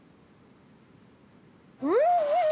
うん！